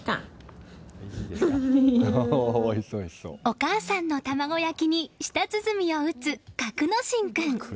お母さんの卵焼きに舌鼓を打つ格之進君。